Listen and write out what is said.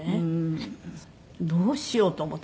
どうしようと思って。